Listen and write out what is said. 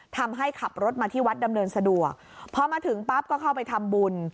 ทำให้ขับรถมาที่วัดดำเนินสะดวกพอมาถึงปั๊บก็เข้าไปทำบุญ